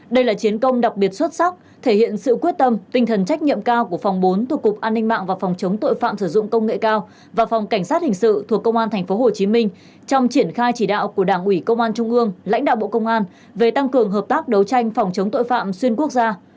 đây là chiến công đặc biệt xuất sắc thể hiện sự quyết tâm tinh thần trách nhiệm cao của phòng bốn thuộc cục an ninh mạng và phòng chống tội phạm sử dụng công nghệ cao và phòng cảnh sát hình sự thuộc công an tp hcm trong triển khai chỉ đạo của đảng ủy công an trung ương lãnh đạo bộ công an về tăng cường hợp tác đấu tranh phòng chống tội phạm xuyên quốc gia